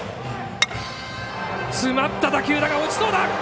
詰まった打球だが落ちそうだ。